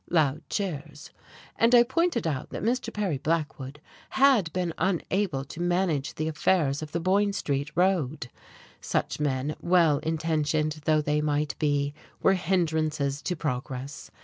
(Loud cheers.) And I pointed out that Mr. Perry Blackwood had been unable to manage the affairs of the Boyne Street road. Such men, well intentioned though they might be, were hindrances to progress.